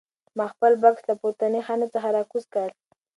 ما خپل بکس له پورتنۍ خانې څخه راکوز کړ.